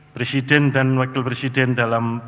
presiden dan wakil presiden dalam